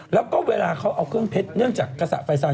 แล้วก็เวลาเขาเอาเครื่องเพชรเนื่องจากกระแสไฟซาน